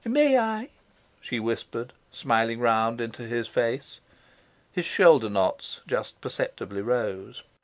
"May I?" she whispered, smiling round into his face. His shoulder knots just perceptibly rose.